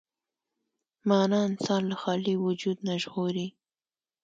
معنی انسان له خالي وجود نه ژغوري.